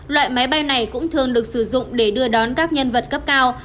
loại máy bay này cũng thường được sử dụng để đưa đón các nhân vật cấp cao